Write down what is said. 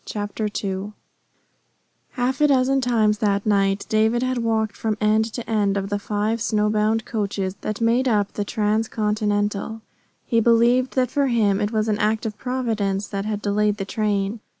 CHAPTER II Half a dozen times that night David had walked from end to end of the five snowbound coaches that made up the Transcontinental. He believed that for him it was an act of Providence that had delayed the train.